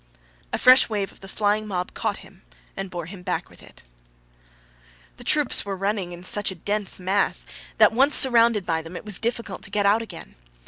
A fresh wave of the flying mob caught him and bore him back with it. The troops were running in such a dense mass that once surrounded by them it was difficult to get out again.